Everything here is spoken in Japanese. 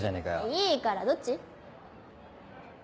いいからどっち？